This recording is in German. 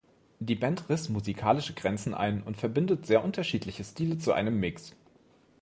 Die Band riss musikalische Grenzen ein und verbindet sehr unterschiedliche Stile zu einem Mix.